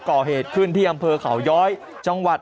ขอบคุณครับขอบคุณครับ